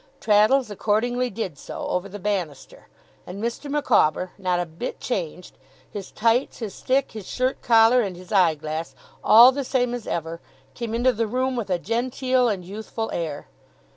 Traddles accordingly did so, over the banister; and Mr. Micawber, not a bit changed his tights, his stick, his shirt collar, and his eye glass, all the same as ever came into the room with a genteel and youthful air.